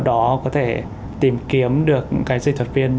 đó có thể tìm kiếm được dịch thuật viên